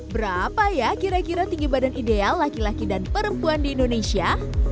berapa ya kira kira tinggi badan ideal laki laki dan perempuan di indonesia